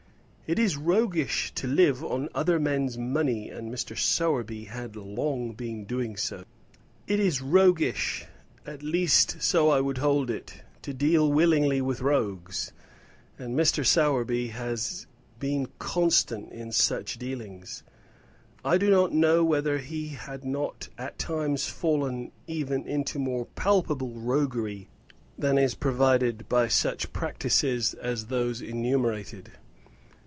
It is roguish to live on other men's money, and Mr. Sowerby had long been doing so. It is roguish, at least so I would hold it, to deal willingly with rogues; and Mr. Sowerby had been constant in such dealings. I do not know whether he had not at times fallen even into more palpable roguery than is proved by such practices as those enumerated.